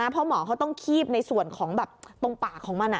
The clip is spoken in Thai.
เพราะหมอเขาต้องคีบในส่วนของแบบตรงปากของมัน